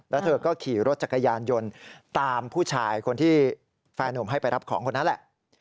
แล้วเธอก็ขี่รถจักรยานยนต์ตามผู้ชายคนที่แฟนหนุ่มให้ไปรับของคนนั้นแหละ